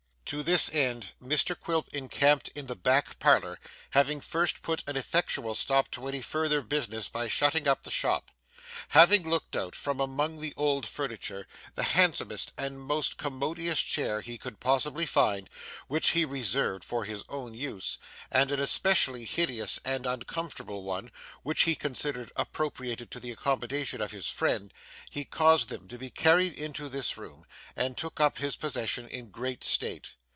To this end, Mr Quilp encamped in the back parlour, having first put an effectual stop to any further business by shutting up the shop. Having looked out, from among the old furniture, the handsomest and most commodious chair he could possibly find (which he reserved for his own use) and an especially hideous and uncomfortable one (which he considerately appropriated to the accommodation of his friend) he caused them to be carried into this room, and took up his position in great state.